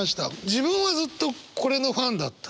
自分はずっとこれのファンだった。